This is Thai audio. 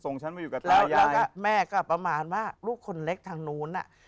แล้วก็แม่ก็ประมาณว่าลูกคนเล็กทางโน้นน่ะ